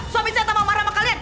suami saya tak mau marah sama kalian